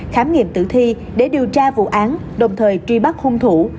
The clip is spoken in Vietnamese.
khám nghiệm tử thi để điều tra vụ án đồng thời truy bắt hung thủ